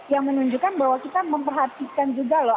yang menunjukkan bahwa kita memperhatikan juga loh